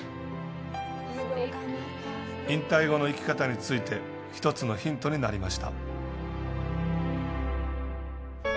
引退後の生き方について、１つのヒントになりました。